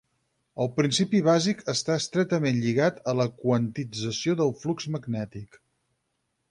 El principi bàsic està estretament lligat a la quantització del flux magnètic.